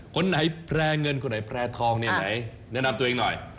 คนไหนแพร่เงินคนไหนแพร่ทองเนี่ยไหนแนะนำตัวเองหน่อย